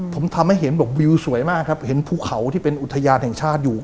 ผมทำให้เห็นแบบวิวสวยมากครับเห็นภูเขาที่เป็นอุทยานแห่งชาติอยู่